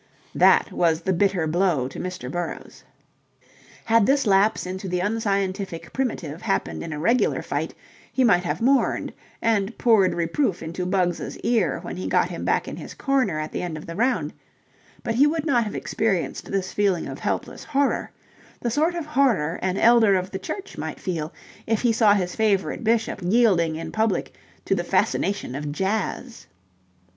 That was the bitter blow to Mr. Burrowes. Had this lapse into the unscientific primitive happened in a regular fight, he might have mourned and poured reproof into Bug's ear when he got him back in his corner at the end of the round; but he would not have experienced this feeling of helpless horror the sort of horror an elder of the church might feel if he saw his favourite bishop yielding in public to the fascination of jazz.